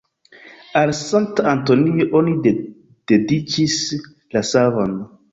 Al Sankta Antonio oni dediĉis la savon.